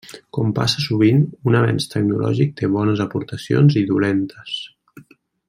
Com passa sovint, un avenç tecnològic té bones aportacions i dolentes.